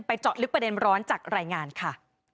เจาะลึกประเด็นร้อนจากรายงานค่ะ